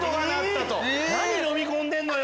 何のみ込んでんのよ！